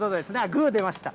グー出ました。